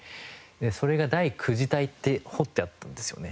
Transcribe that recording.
それが「第九次隊」って彫ってあったんですよね。